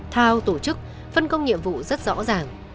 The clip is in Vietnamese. thao tổ chức phân công nhiệm vụ rất rõ ràng